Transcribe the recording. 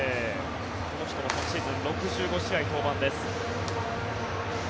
この人も昨シーズン６５試合登板です。